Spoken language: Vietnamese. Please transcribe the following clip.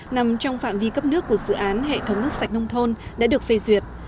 nằm trong phạm vi cấp nước của dự án hệ thống nước sạch nông thôn đã được phê duyệt